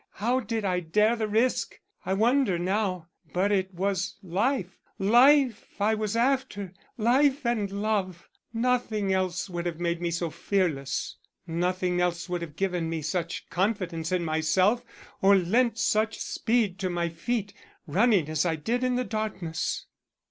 How did I dare the risk! I wonder now; but it was life, life I was after; life and love; nothing else would have made me so fearless; nothing else would have given me such confidence in myself or lent such speed to my feet, running as I did in the darkness."